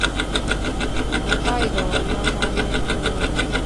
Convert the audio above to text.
北海道今金町